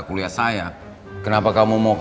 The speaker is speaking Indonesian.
juga ketika andai